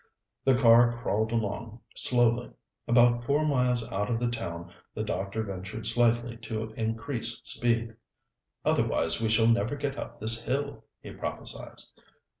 The car crawled along slowly. About four miles out of the town the doctor ventured slightly to increase speed. "Otherwise we shall never get up this hill," he prophesied.